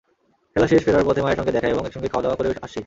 খেলা শেষে ফেরার পথে মায়ের সঙ্গে দেখা এবং একসঙ্গে খাওয়াদাওয়া করেও আসছি।